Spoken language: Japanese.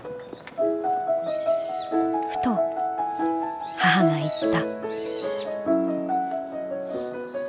ふと母が言った」。